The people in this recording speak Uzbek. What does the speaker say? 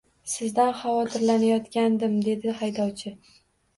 Sizdan havotirlanayotgandim, dedi haydovchi